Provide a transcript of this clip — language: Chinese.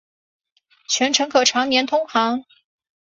全程可常年通航。